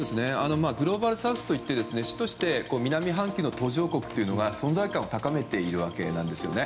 グローバルサウスとして主として南半球の途上国は存在感を高めているわけです。